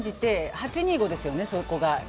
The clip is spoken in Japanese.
８２５０ですよね、そこが。